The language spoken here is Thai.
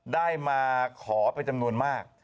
ได้มาขอเป็นจำนวนมาก